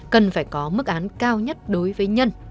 cần phải có mức án cao nhất đối với nhân